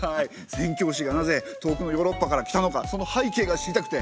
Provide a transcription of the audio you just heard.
宣教師がなぜ遠くのヨーロッパから来たのかその背景が知りたくて。